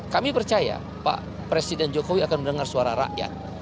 kami percaya pak presiden jokowi akan mendengar suara rakyat